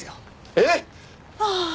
えっ？ああ。